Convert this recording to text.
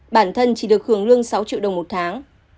bản thân chỉ được hưởng lương sáu triệu đồng một tháng